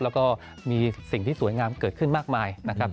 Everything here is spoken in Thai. แล้วก็มีสิ่งที่สวยงามเกิดขึ้นมากมายนะครับ